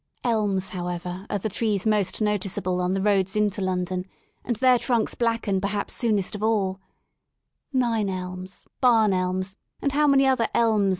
Elms, however, are the trees most noticeable on the roads into London, and their trunks blacken perhaps soonest of alL Nine Elms, Barn Elms, and how many other Elms?